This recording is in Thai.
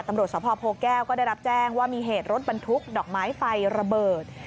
ตำรวจสภโพแก้วก็ได้รับแจ้งว่ามีเหตุรถบรรทุกดอกไม้ไฟระเบิด